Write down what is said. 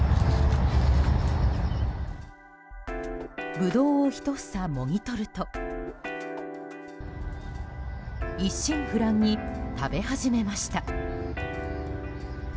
ブドウを１房もぎ取ると一心不乱に食べ始めました。